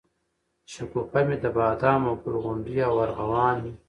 شګوفې مي دبادامو، ګل غونډۍ او ارغوان مي